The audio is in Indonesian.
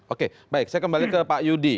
oke baik saya kembali ke pak yudi